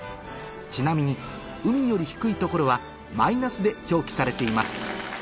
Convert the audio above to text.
ちなみに海より低い所はマイナスで表記されています